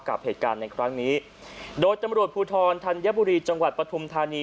กับเหตุการณ์ในครั้งนี้โดยตำรวจภูทรธัญบุรีจังหวัดปฐุมธานี